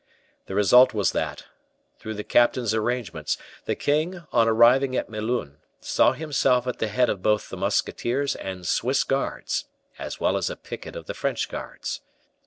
The result was that, through the captain's arrangements, the king, on arriving at Melun, saw himself at the head of both the musketeers and Swiss guards, as well as a picket of the French guards.